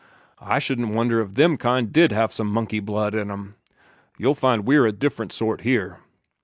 I shouldn't wonder if them kind did have some monkey blood in 'em. You'll find we're a different sort here."